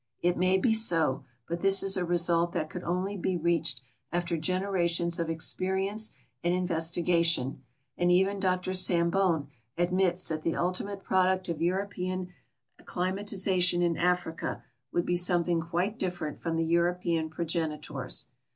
It may be so, but this is a result that could only be reached after generations of experience and investigation, and even Dr Sambon admits that the ultimate product of European acclimatization in Africa would be something quite different from the European progenitors.